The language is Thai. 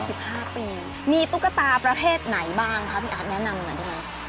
สิบห้าปีมีตุ๊กตาประเภทไหนบ้างคะพี่อาร์ดแนะนำหน่อยได้ไหม